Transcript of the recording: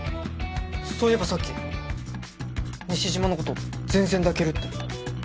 そういえばさっき西島の事「全然抱ける」って。